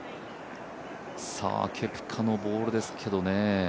ケプカのボールですけどね。